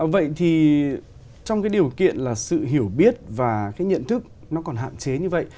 vậy thì trong điều kiện là sự hiểu biết và nhận thức còn hạn chế như vậy